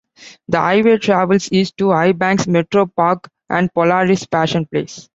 The highway travels east to Highbanks Metro Park and Polaris Fashion Place.